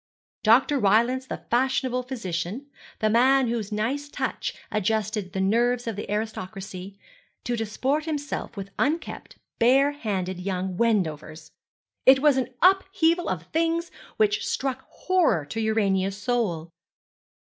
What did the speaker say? Dr. Rylance, the fashionable physician, the man whose nice touch adjusted the nerves of the aristocracy, to disport himself with unkempt, bare handed young Wendovers! It was an upheaval of things which struck horror to Urania's soul.